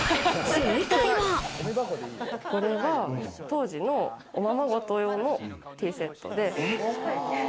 正解は、これは当時のおままごと用のティーセットで。